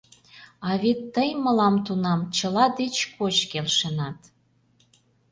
А вет тый мылам тунам чыла деч коч келшенат...